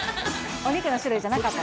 お肉の種類じゃなかった。